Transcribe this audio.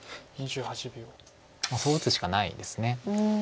そう打つしかないです。